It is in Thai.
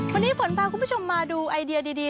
วันนี้ฝนพาคุณผู้ชมมาดูไอเดียดี